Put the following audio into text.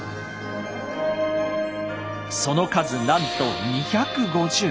その数なんと２５０。